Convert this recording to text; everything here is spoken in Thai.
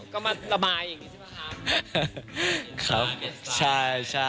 ก็มาระบายอย่างนี้ใช่ป่ะครับ